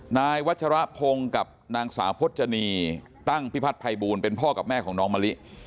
นายวัชรพงศ์กับนางสาวพจนีตั้งพิพัฒนภัยบูลเป็นพ่อกับแม่ของน้องมะลิ